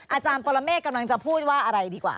อาจารย์ปรเมฆกำลังจะพูดว่าอะไรดีกว่า